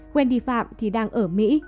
quen đi phạm thì đang ở mỹ